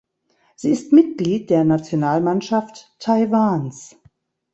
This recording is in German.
Sie ist Mitglied der Nationalmannschaft Taiwans.